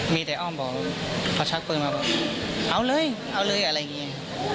มีแต่อ้อมบอกพอชักปืนมาบอกเอาเลยเอาเลยอะไรอย่างนี้